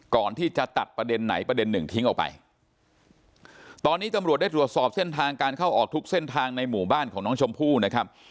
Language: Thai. ก่อนที่จะตัดประเด็นไหนประเด็นหนึ่งทิ้งออกไปตอนนี้ตำรวจได้ตรวจสอบเส้นทางการเข้าออกทุกเส้นทางในหมู่บ้านของน้องชมพู่นะครับ